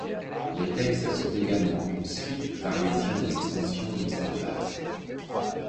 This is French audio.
Les textes sont également une suite, variation ou extension de l'histoire de base.